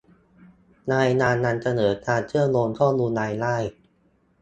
รายงานยังเสนอการเชื่อมโยงข้อมูลรายได้